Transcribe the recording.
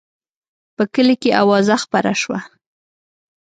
په کلي کې اوازه خپره شوه.